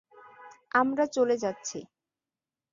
আমরা চলে যাচ্ছি।